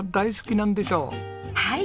はい。